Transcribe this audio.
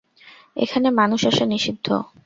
এখানে মানুষ আসা নিষিদ্ধ।